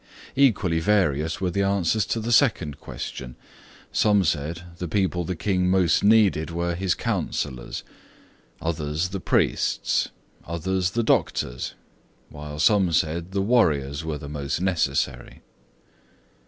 Equally various were the answers to the second question. Some said, the people the King most needed were his councillors; others, the priests; others, the doctors; while some said the warriors were the most necessary.